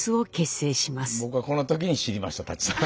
僕はこの時に知りました舘さん。